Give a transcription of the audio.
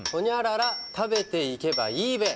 「○○食べていけばいいべ！」